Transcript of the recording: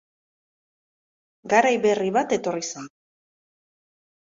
Garai berri bat etorri zen...